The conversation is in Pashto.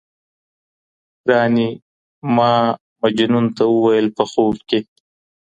ګراني! ما مجنون ته وويل په خوب کي